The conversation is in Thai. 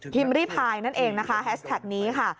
พิมพ์พิพริภายนั่นเองนะคะแฮชแท็กนี้ค่ะ